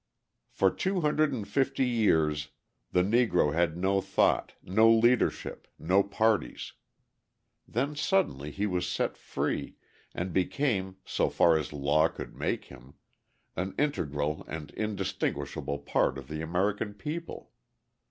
For two hundred and fifty years the Negro had no thought, no leadership, no parties; then suddenly he was set free, and became, so far as law could make him, an integral and indistinguishable part of the American people.